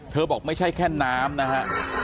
บอกไม่ใช่แค่น้ำนะฮะ